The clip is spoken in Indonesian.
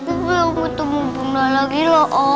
aku belum ketemu bang dik lagi loh